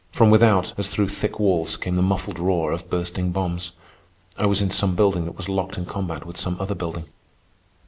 From without, as through thick walls, came the muffled roar of bursting bombs. I was in some building that was locked in combat with some other building.